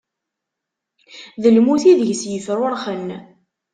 D lmut i deg-s yefrurxen.